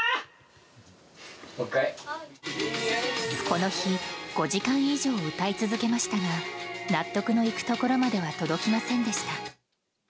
この日５時間以上、歌い続けましたが納得のいくところまでは届きませんでした。